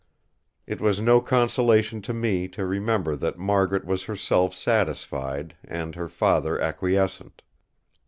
It was no consolation to me to remember that Margaret was herself satisfied, and her father acquiescent.